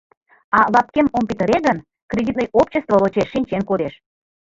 А лапкем ом петыре гын, кредитный обчество лочеш шинчен кодеш».